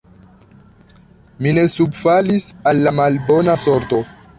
Mi ne subfalis al la malbona sorto!